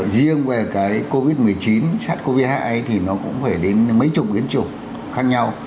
riêng về cái covid một mươi chín sát covid một mươi chín thì nó cũng phải đến mấy chục biến chủng khác nhau